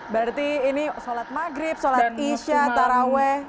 berarti ini sholat maghrib sholat isya taraweh